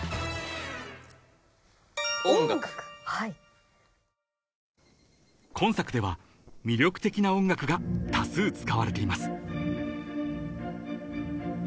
「音楽」［今作では魅力的な音楽が多数使われています］